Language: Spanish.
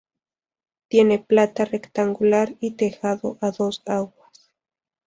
Tiene planta rectangular y tejado a dos aguas.